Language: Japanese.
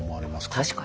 確かに。